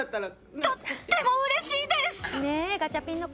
とってもうれしいです！